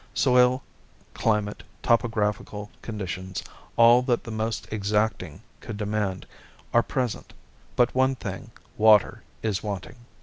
Soil, climate, topographical conditions, all that the most exacting could demand, are present, but one thing, water, is wanting.